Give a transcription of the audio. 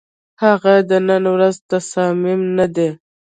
هغه د نن ورځ تصامیم نه دي،